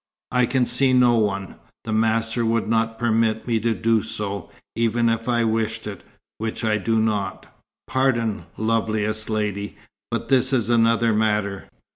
"I can see no one. The master would not permit me to do so, even if I wished it, which I do not." "Pardon, loveliest lady. But this is another matter.